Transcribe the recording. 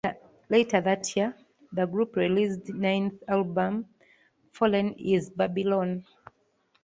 Later that year, the group released ninth album "Fallen Is Babylon".